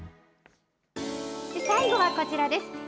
最後はこちらです。